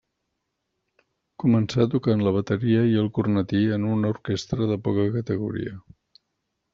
Començà tocant la bateria i el cornetí en una orquestra de poca categoria.